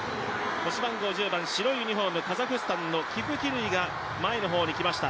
腰番号１０番のカザフスタンのキプキルイが前の方に来ました。